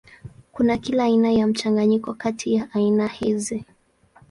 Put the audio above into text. Kuna kila aina ya mchanganyiko kati ya aina hizi.